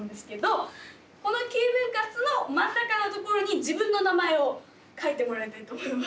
この９分割の真ん中のところに自分の名前を書いてもらいたいと思います。